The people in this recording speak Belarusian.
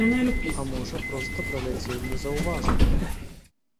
А можа проста праляцеў незаўважна.